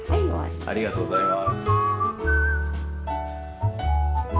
ありがとうございます。